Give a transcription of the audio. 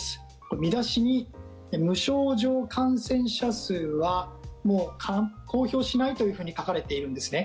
見出しに、無症状感染者数はもう公表しないというふうに書かれているんですね。